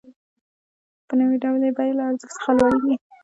په نوي ډول یې بیه له ارزښت څخه لوړېږي